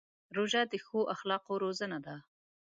روژه د ښو اخلاقو روزنه ده.